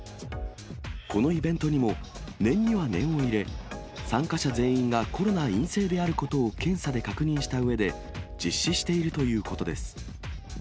このイベントにも、念には念を入れ、参加者全員がコロナ陰性であることを検査で確認したうえで、実施しているということです。